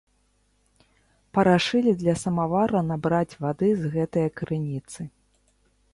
Парашылі для самавара набраць вады з гэтае крыніцы.